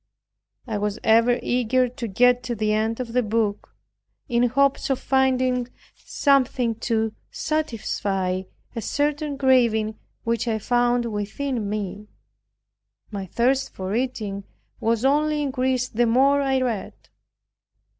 I was ever eager to get to the end of the book, in hopes of finding something to satisfy a certain craving which I found within me. My thirst for reading was only increased the more I read.